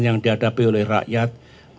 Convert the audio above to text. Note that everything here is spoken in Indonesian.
yang dihadapi oleh rakyat